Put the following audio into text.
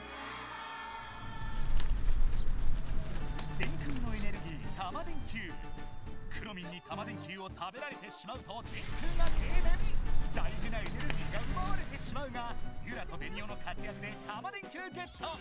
電空のエネルギーくろミンにタマ電Ｑを食べられてしまうと電空が停電⁉大事なエネルギーがうばわれてしまうがユラとベニオの活やくでタマ電Ｑゲット！